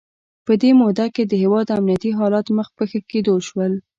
په دې موده کې د هیواد امنیتي حالات مخ په ښه کېدو شول.